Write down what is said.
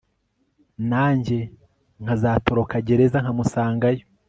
nanjye nkazatoroka gereza nkamusangayo